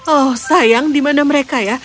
oh sayang di mana mereka ya